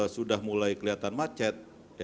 sudah mulai kelihatan macet